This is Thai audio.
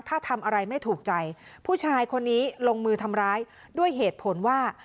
ถ้าทำอะไรไม่ถูกใจผู้ชายคนนี้ลงมือทำร้ายด้วยเหตุผลว่า